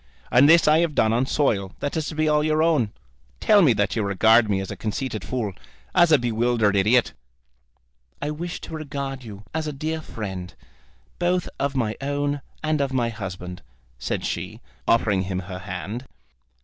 And this I have done on soil that is to be all your own. Tell me that you regard me as a conceited fool, as a bewildered idiot." "I wish to regard you as a dear friend, both of my own and of my husband," said she, offering him her hand.